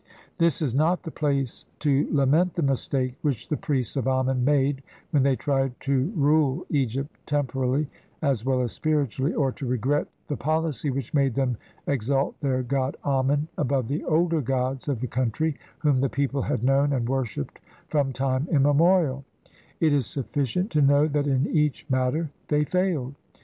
This is not the place to lament the mistake which the priests of Amen made when they tried to rule Egypt temporally as well as spiritually, or to regret the policy which made them exalt their god Amen above the older gods of the country whom the people had known and worshipped from time immemorial ; it is sufficient to know that in each matter they failed.